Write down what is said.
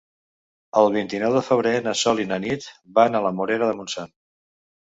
El vint-i-nou de febrer na Sol i na Nit van a la Morera de Montsant.